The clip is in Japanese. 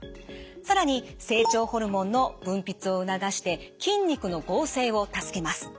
更に成長ホルモンの分泌を促して筋肉の合成を助けます。